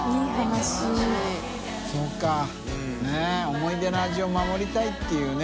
思い出の味を守りたいっていうね。